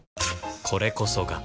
これこそが